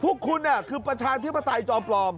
พวกคุณน่ะคือประชาชนเทพธิปไตยจอมปลอม